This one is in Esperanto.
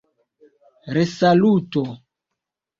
resaluto